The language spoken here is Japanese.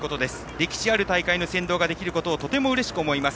歴史ある大会の先導ができることをとてもうれしく思います。